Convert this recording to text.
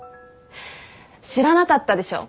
知らなかったでしょ。